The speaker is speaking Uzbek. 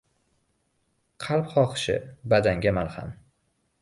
• Qalb xohishi ― badanga malham.